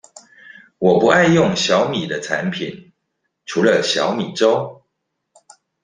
我不愛用小米的產品，除了小米粥